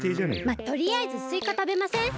まあとりあえずスイカたべません？